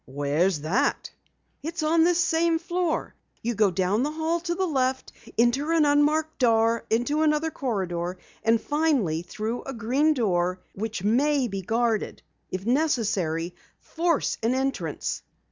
"Where's that?" "It's on this same floor. You go down the hall to the left, enter an unmarked door into another corridor, and finally through a green door which may be guarded. If necessary, force an entrance."